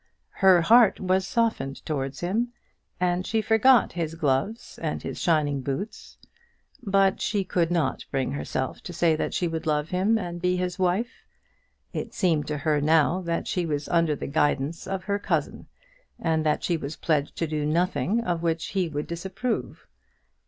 Her heart was softened towards him, and she forgot his gloves and his shining boots. But she could not bring herself to say that she would love him, and be his wife. It seemed to her now that she was under the guidance of her cousin, and that she was pledged to do nothing of which he would disapprove.